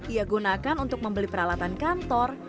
ia gunakan untuk membeli peralatan kantor